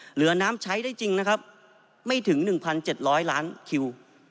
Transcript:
เหลือน้ำใช้ได้จริงนะครับไม่ถึง๑๗๐๐ล้านคิว